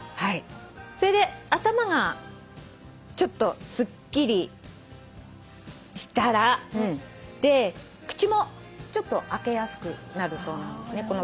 それで頭がちょっとすっきりしたら口もちょっと開けやすくなるそうなんですね。